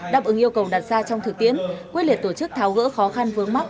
đáp ứng yêu cầu đặt ra trong thực tiễn quyết liệt tổ chức tháo gỡ khó khăn vướng mắt